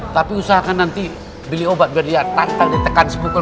tapi usahakan nanti beli obat biar dia tanggal ditekan sepukul